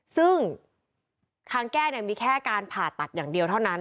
ซึ่งทางแก้มีแค่การผ่าตัดอย่างเดียวเท่านั้น